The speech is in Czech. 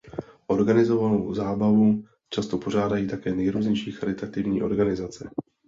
Organizovanou zábavu často pořádají také nejrůznější charitativní organizace.